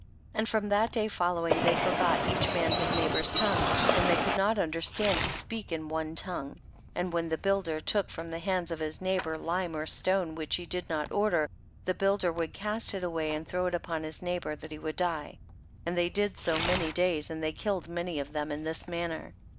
33. And from that day following, they forgot each man his neighbor's tongue, and they could not under stand to speak in one tongue, and when the builder took from the hands of his neighbor lime or stone which he did not order, the builder would cast it away and throw it upon his neighbor, that he would die. 34. And they did so many days, and they killed many of them in this manner.